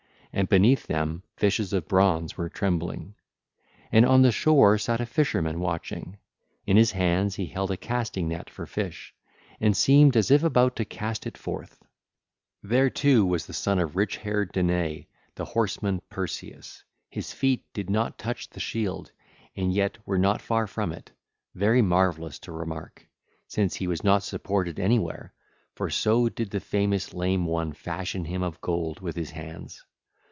And beneath them fishes of bronze were trembling. And on the shore sat a fisherman watching: in his hands he held a casting net for fish, and seemed as if about to cast it forth. (ll. 216 237) There, too, was the son of rich haired Danae, the horseman Perseus: his feet did not touch the shield and yet were not far from it—very marvellous to remark, since he was not supported anywhere; for so did the famous Lame One fashion him of gold with his hands.